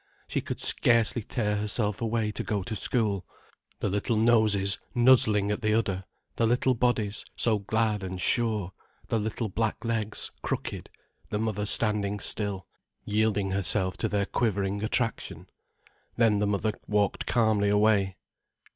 She could scarcely tear herself away to go to school. The little noses nuzzling at the udder, the little bodies so glad and sure, the little black legs, crooked, the mother standing still, yielding herself to their quivering attraction—then the mother walked calmly away.